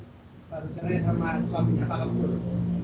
baru cerai sama suaminya pak kabur